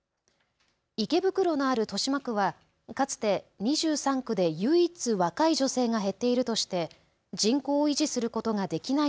池袋のある豊島区はかつて２３区で唯一、若い女性が減っているとして人口を維持することができない